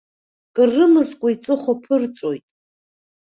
Кыр рымазкуа иҵыхәа ԥырҵәоит.